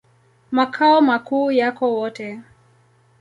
Makao makuu yako Wote.